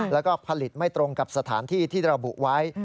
แล้วก็ผลิตไม่ตรงกับสถานที่ที่ระบุไว้